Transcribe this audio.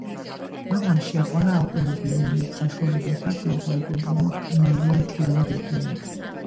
მამამ შეაყვარა ალპინიზმი, რომელიც საშუალებას აძლევდა უპრობლემოდ მოევლო მთიანი რეგიონები.